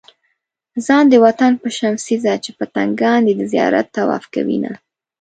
ځان د وطن په شمع سيزه چې پتنګان دې د زيارت طواف کوينه